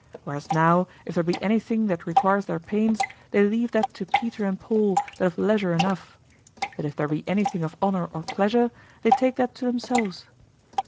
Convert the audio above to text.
Whereas now, if there be anything that requires their pains, they leave that to Peter and Paul that have leisure enough; but if there be anything of honor or pleasure, they take that to themselves.